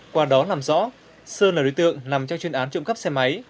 qua đó làm rõ sơn là đối tượng nằm trong chuyên án trộm cắp xe máy